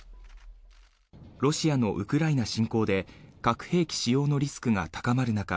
ロシアのウクライナ侵攻で核兵器使用のリスクが高まる中